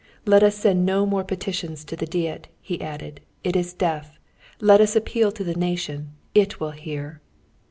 "Let us send no more petitions to the Diet," he added, "it is deaf! Let us appeal to the nation: it will hear!"